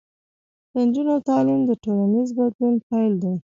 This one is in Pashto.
د نجونو تعلیم د ټولنیز بدلون پیل دی.